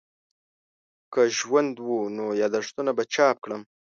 که ژوند وو نو یادښتونه به چاپ کړم.